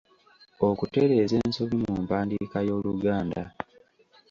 Okutereeza ensobi mu mpandiika y'Oluganda.